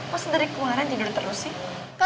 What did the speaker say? kok sendiri kemarin tidur terus sih